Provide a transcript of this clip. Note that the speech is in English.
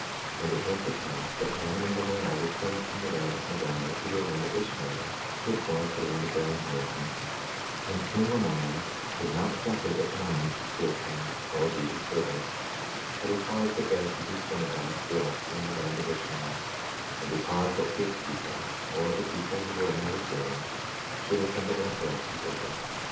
21:18 And it came to pass that Ammon and Lamoni returned from the land of Middoni to the land of Ishmael, which was the land of their inheritance. 21:19 And king Lamoni would not suffer that Ammon should serve him, or be his servant. 21:20 But he caused that there should be synagogues built in the land of Ishmael; and he caused that his people, or the people who were under his reign, should assemble themselves together.